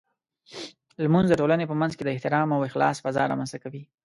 لمونځ د ټولنې په منځ کې د احترام او اخلاص فضاء رامنځته کوي.